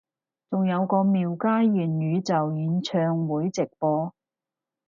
仲有個廟街元宇宙演唱會直播？